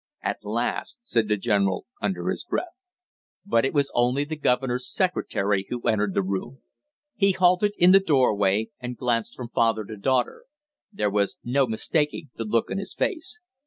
"At last!" said the general, under his breath. But it was only the governor's secretary who entered the room. He halted in the doorway and glanced from father to daughter. There was no mistaking the look on his face.